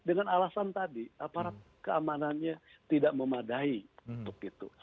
dengan alasan tadi aparat keamanannya tidak memadai untuk itu